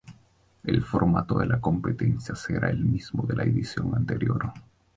El formato de la competencia será el mismo de la edición anterior.